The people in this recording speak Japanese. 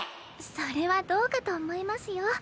それはどうかと思いますよ。